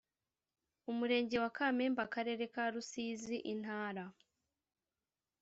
Umurenge wa kamembe akarere ka rusizi intara